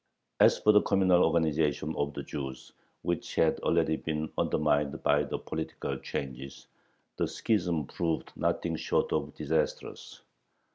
As for the communal organization of the Jews, which had already been undermined by the political changes, the schism proved nothing short of disastrous.